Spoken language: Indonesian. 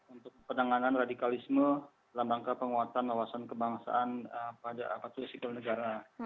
untuk penanganan radikalisme dalam langkah penguatan lawasan kebangsaan pada apatrus iklan negara